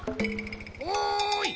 おい！